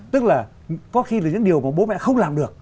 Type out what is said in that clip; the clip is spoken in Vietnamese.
tức là có khi là những điều mà bố mẹ không làm được